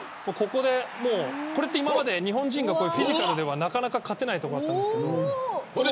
これって今まで日本人がフィジカルではなかなか勝てないところだったんですが。